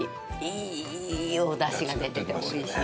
いいお出汁が出てておいしい。